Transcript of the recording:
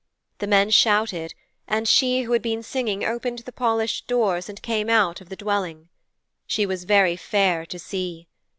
The men shouted, and she who had been singing opened the polished doors and came out of the dwelling. She was very fair to see.